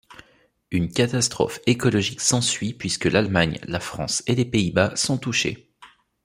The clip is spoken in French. Une catastrophe écologique s'ensuit puisque l'Allemagne, la France et les Pays-Bas sont touchés.